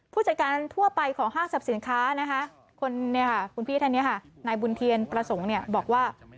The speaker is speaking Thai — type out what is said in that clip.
ผู้จัดการทั่วไปของห้างสรรพสินค้านะคะคุณพี่ท่านนี้ค่ะนายบุญเทียนประสงค์บอกว่า